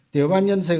tiểu ban nhân sự